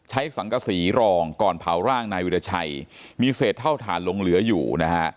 สังกษีรองก่อนเผาร่างนายวิราชัยมีเศษเท่าฐานหลงเหลืออยู่นะฮะ